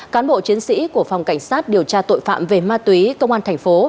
cán bộ chiến sĩ của phòng cảnh sát điều tra tội phạm về ma túy công an tp